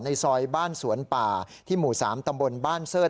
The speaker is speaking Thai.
ซอยบ้านสวนป่าที่หมู่๓ตำบลบ้านเสิร์ธ